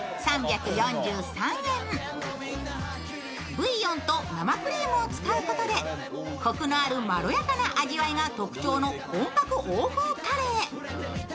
ブイヨンと生クリームを使うことでこくのあるまろやかな味わいが特徴の本格欧風カレー。